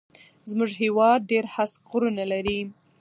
زموږ هيواد ډېر هسک غرونه لري